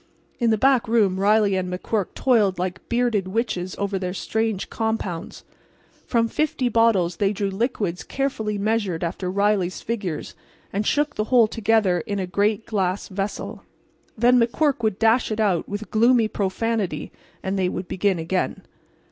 In the back room Riley and McQuirk toiled like bearded witches over their strange compounds. From fifty bottles they drew liquids carefully measured after Riley's figures, and shook the whole together in a great glass vessel. Then McQuirk would dash it out, with gloomy profanity, and they would begin again.